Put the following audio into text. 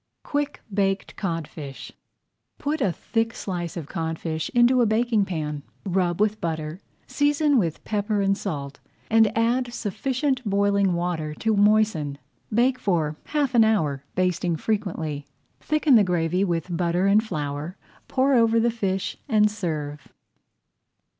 QUICK BAKED CODFISH Put a thick slice of codfish into a baking pan. Rub with butter, season with pepper and salt, and add sufficient boiling water to moisten. Bake for half an hour, basting frequently. Thicken the gravy with butter and flour, pour over the fish, and serve.